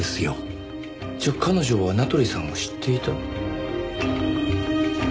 じゃ彼女は名取さんを知っていた？